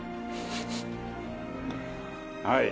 はい。